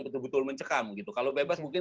betul betul mencekam gitu kalau bebas mungkin